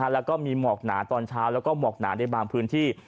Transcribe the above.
แล้วก็มีหมอกหนาตอนเช้าแล้วก็หมอกหนาในบางพื้นที่